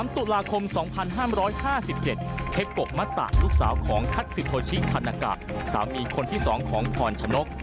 ๒๓ตุลาคม๒๕๕๗เทกปกมตาลูกสาวของทัชซิโทชิธนกะสามีคนที่สองของพรชนก